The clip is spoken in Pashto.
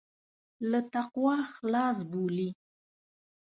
له تقوا خلاص بولي.